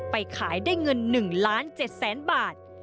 ไปขายได้เงิน๑ล้าน๗๐๐บาท